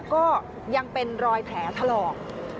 ก็ยังเป็นรอยแผลทะเลาะ